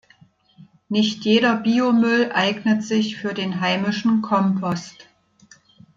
Nicht jeder Biomüll eignet sich für den heimischen Kompost.